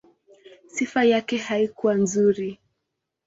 Sifa yake haikuwa nzuri.